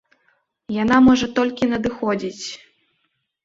Яна можа толькі надыходзіць.